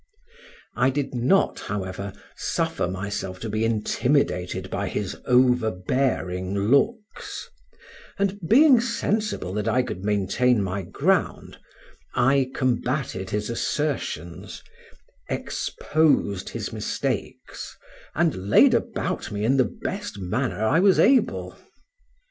I did not, however, suffer myself to be intimidated by his overbearing looks: and being sensible that I could maintain my ground, I combated his assertions, exposed his mistakes, and laid about me in the best manner I was able.